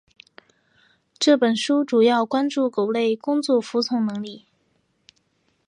这本书主要关注狗类工作服从能力。